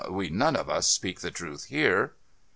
We none of us speak the truth here."